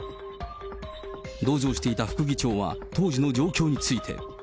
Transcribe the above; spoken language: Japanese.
同乗していた副議長は当時の状況について。